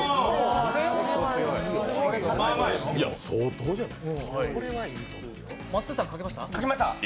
いや、相当じゃない？